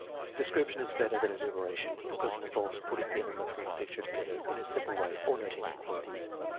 Description is better than enumeration be ' cause it involves putting the elements of a picture to gether in a simple way or noting their qualities.